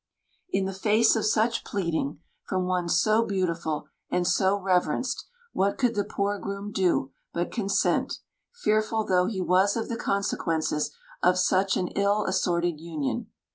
In the face of such pleading, from one so beautiful and so reverenced, what could the poor groom do but consent, fearful though he was of the consequences of such an ill assorted union?